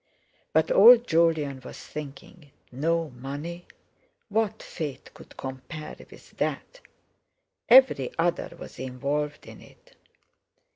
But old Jolyon was thinking: "No money!" What fate could compare with that? Every other was involved in it.